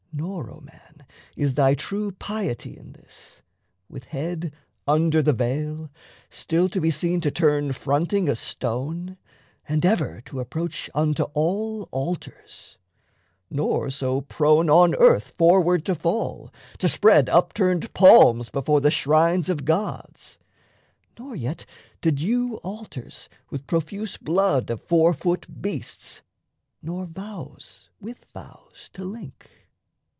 Nor, O man, Is thy true piety in this: with head Under the veil, still to be seen to turn Fronting a stone, and ever to approach Unto all altars; nor so prone on earth Forward to fall, to spread upturned palms Before the shrines of gods, nor yet to dew Altars with profuse blood of four foot beasts, Nor vows with vows to link.